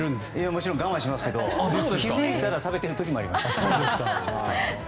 もちろん我慢しますけど気づいたら食べてる時もあります。